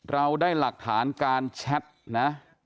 เราได้หลักฐานการแชทนะ